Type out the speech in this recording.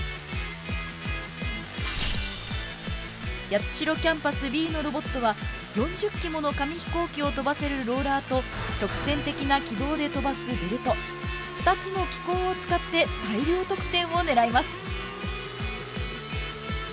八代キャンパスＢのロボットは４０機もの紙飛行機を飛ばせるローラーと直線的な軌道で飛ばすベルト２つの機構を使って大量得点を狙います。